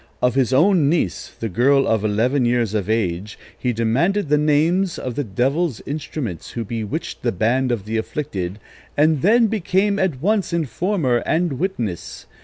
Of his own niece, the girl of eleven years of age, he demanded the names of the devil's instruments, who bewitched the band of 'the afflicted,' and then became at once informer and witness.